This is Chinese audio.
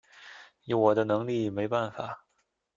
以我的能力没办法